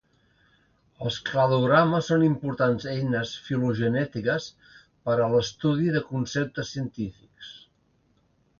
Els cladogrames són importants eines filogenètiques per a l'estudi de conceptes científics.